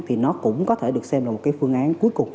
thì nó cũng có thể được xem là một cái phương án cuối cùng